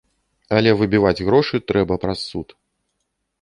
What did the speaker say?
Але выбіваць грошы трэба праз суд.